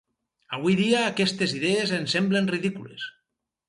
Avui dia aquestes idees ens semblen ridícules.